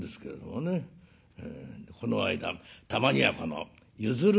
この間たまにはこの譲る